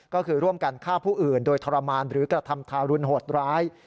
ก็คือร่วมกันฆ่าผู้อื่นโดยทรมานหรือกระทำทารุณโหดร้าย